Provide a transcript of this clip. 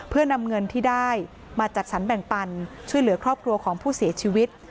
เพื่อนำเงินที่ได้มาจัดสรรแบ่งปันช่วยเหลือครอบครัวของผู้เสียชีวิต